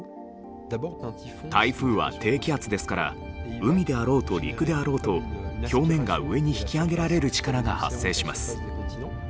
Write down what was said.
台風は低気圧ですから海であろうと陸であろうと表面が上に引き上げられる力が発生します。